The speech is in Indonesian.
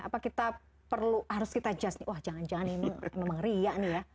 apa kita harus just jangan jangan ini memang ngeriak nih ya